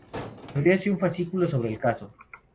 Se abrió así un fascículo sobre el caso.